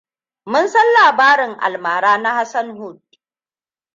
Mun san labarin almara na Hassan Hood.